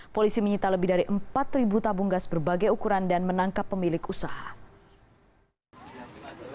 polisi menyita lebih dari empat tabung gas berbagai ukuran dan menangkap pemilik usaha